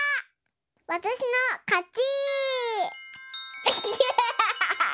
わたしのかち！